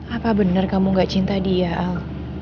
apa benar kamu gak cinta dia al